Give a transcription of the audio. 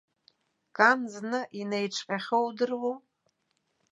Кан зны инаиҿҟьахьоу удыруоу.